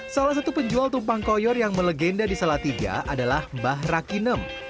salah satu penjual tumpang koyor yang melegenda di salatiga adalah mbah rakinem